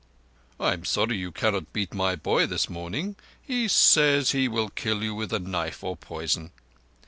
"I am sorry you cannot beat my boy this morning. He says he will kill you with a knife or poison.